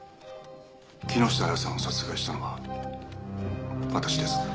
木下亜矢さんを殺害したのは私です」